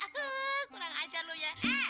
kurang ajar lo ya